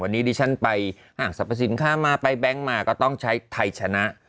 วันนี้ดิฉันไปห้างสรรพสินค้ามาไปแบงค์มาก็ต้องใช้ไทยชนะ